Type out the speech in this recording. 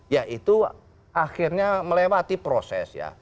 ya itu akhirnya melewati proses ya